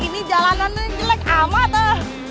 ini jalanannya jelek amat eh